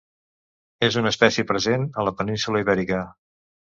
És una espècie present a la península Ibèrica.